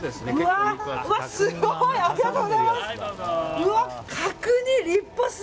ありがとうございます。